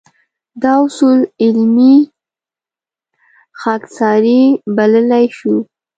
دا اصول علمي خاکساري بللی شو.